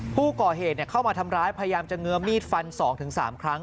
ผู้ก่อเหตุเข้ามาทำร้ายพยายามจะเงื้อมีดฟัน๒๓ครั้ง